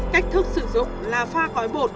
cách thức sử dụng là pha gói bột